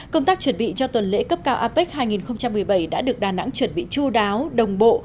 công tác chuẩn bị cho tuần lễ cấp cao apec hai nghìn một mươi bảy đã được đà nẵng chuẩn bị chú đáo đồng bộ